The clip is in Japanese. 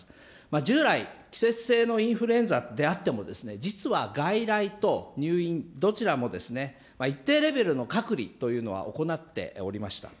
従来、季節性のインフルエンザであっても、実は外来と入院どちらも一定レベルの隔離というのは行っておりました。